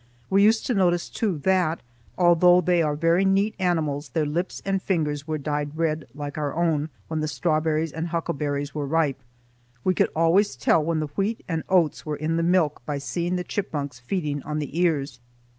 We used to notice too that, although they are very neat animals, their lips and fingers were dyed red like our own, when the strawberries and huckleberries were ripe. We could always tell when the wheat and oats were in the milk by seeing the chipmunks feeding on the ears.